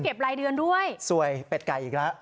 รายเดือนด้วยสวยเป็ดไก่อีกแล้ว